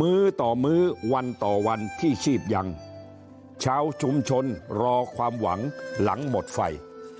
มื้อต่อมื้อวันต่อวันที่ชีพยังชาวชุมชนรอความหวังหลังหมดไฟ